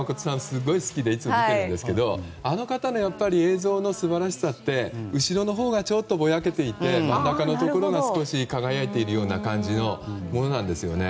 すごい好きで今も見ていますがあの方の映像の素晴らしさって後ろのほうがちょっとぼやけていて真ん中のところが輝いているような感じのものなんですよね。